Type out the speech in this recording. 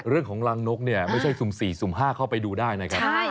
เรื่องของรังนกเนี่ยไม่ใช่สุ่ม๔สุ่ม๕เข้าไปดูได้นะครับ